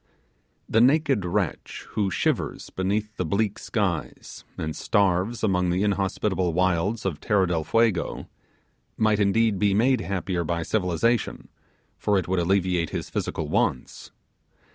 The naked wretch who shivers beneath the bleak skies, and starves among the inhospitable wilds of Tierra del Fuego, might indeed be made happier by civilization, for it would alleviate his physical wants.